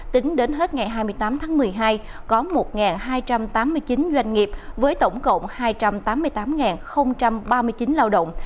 tính đến hết ngày hai mươi tám tháng một mươi hai có một hai trăm tám mươi chín doanh nghiệp với tổng cộng hai trăm tám mươi tám ba mươi chín lao động